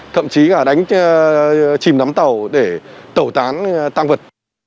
thậm chí cả đánh chìm nắm tàu để tẩu tán tăng vật